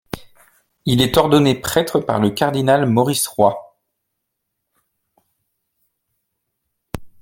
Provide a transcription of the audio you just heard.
Il est ordonné prêtre le par le cardinal Maurice Roy.